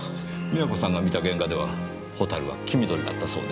美和子さんが見た原画ではホタルは黄緑だったそうです。